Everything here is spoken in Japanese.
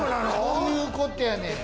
そういうことやねん。